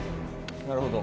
なるほど。